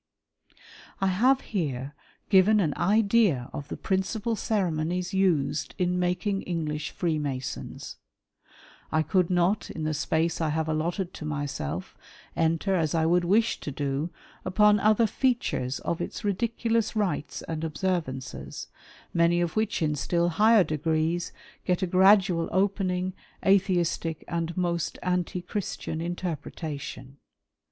I have here given an idea of the principal ceremonies used in making English Freemasons. I could not in the space I have allotted to myself, enter, as I would wish to do, upon other features of its ridiculous rites and observances, many of which' in still higher degrees, get a gradually opening. Atheistic and most anti Christian interpretation.